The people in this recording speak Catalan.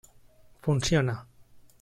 Funciona.